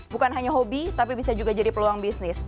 bukan hanya hobi tapi bisa juga jadi peluang bisnis